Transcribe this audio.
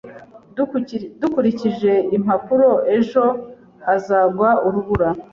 Dukurikije impapuro, ejo hazagwa urubura